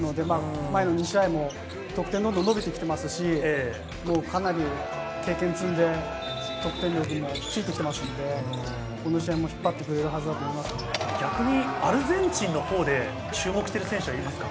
前の２試合も得点がどんどん伸びていますから、かなり経験を積んで、得点もついてきているので、この試合も引っ張ってくれるはず逆に、アルゼンチンはどうですか？